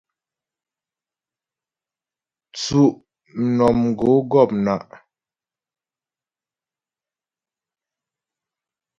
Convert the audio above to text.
Tsʉ'mnɔmgǒ gɔ̂pnǎ'.